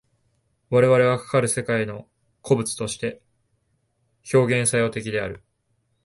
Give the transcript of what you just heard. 我々はかかる世界の個物として表現作用的である。